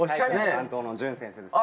担当のじゅん先生です